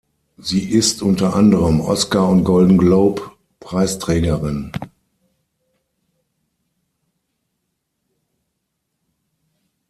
Sie ist unter anderem Oscar- und Golden-Globe-Preisträgerin.